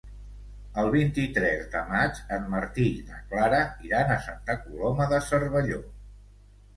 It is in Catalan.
El vint-i-tres de maig en Martí i na Clara iran a Santa Coloma de Cervelló.